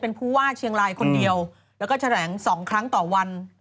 เป็นผู้ว่าเชียงรายคนเดียวแล้วก็แถลง๒ครั้งต่อวัน